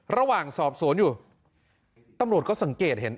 ระหว่างสอบสวนอยู่ตำรวจก็สังเกตเห็น